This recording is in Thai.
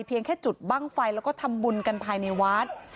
แค่จุดบ้างไฟแล้วก็ทำบุญกันภายในวัด